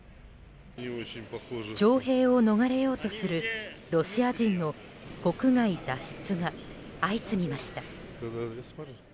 徴兵を逃れようとするロシア人の国外脱出が相次ぎました。